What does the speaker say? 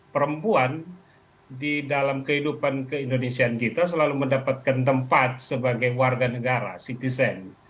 perempuan di dalam kehidupan keindonesiaan kita selalu mendapatkan tempat sebagai warga negara citizen